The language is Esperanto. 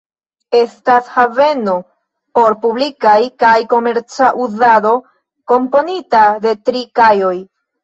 Estas haveno por publikaj kaj komerca uzado, komponita de tri kajoj.